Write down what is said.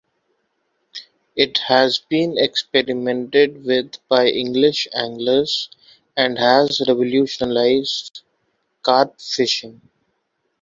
It has been experimented with by English anglers, and has revolutionised carp fishing.